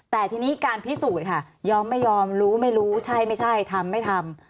แต่ทีนี้การพิสูจน์ค่ะยอมไม่ยอมรู้ไม่รู้ใช่ไม่ใช่ทำไม่ทำ